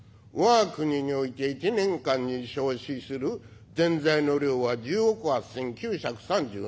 我が国において１年間に消費するぜんざいの量は１０億８，９３７杯』。